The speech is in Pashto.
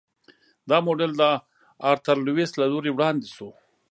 دا موډل د آرتر لویس له لوري وړاندې شو.